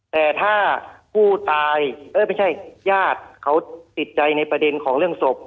แต่ถ้าผู้ตายไม่ใช่ญาติเขาติดใจในประเด็นของเรื่องศพ